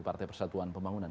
partai persatuan pembangunan